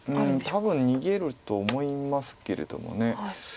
多分逃げると思いますけれども。